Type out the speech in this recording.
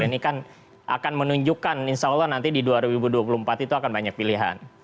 ini kan akan menunjukkan insya allah nanti di dua ribu dua puluh empat itu akan banyak pilihan